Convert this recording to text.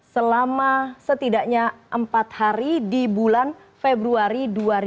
selama setidaknya empat hari di bulan februari dua ribu dua puluh